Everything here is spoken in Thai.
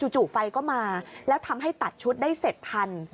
จู่ไฟก็มาแล้วทำให้ตัดชุดได้เสร็จทัน